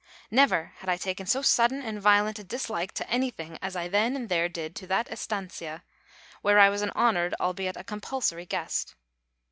Never had I taken so sudden and violent a dislike to anything as I then and there did to that estancia, where I was an honoured, albeit a compulsory guest.